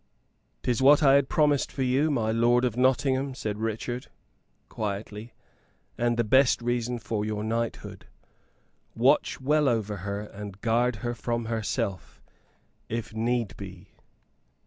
"'Tis what I had promised for you, my lord of Nottingham," said Richard, quietly, "and best reason for your knight hood! Watch well over her, and guard her from herself if need be."